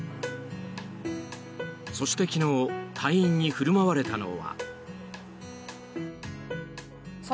そして昨日隊員に振る舞われたのは。